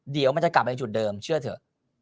เดี๋ยวมันจะกลับไปจุดเดิมเชื่อเถอะ